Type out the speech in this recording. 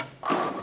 あっ！